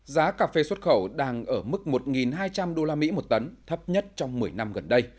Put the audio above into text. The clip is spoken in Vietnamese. giá cà phê xuất khẩu đang ở mức một hai trăm linh usd một tấn thấp nhất trong một mươi năm gần đây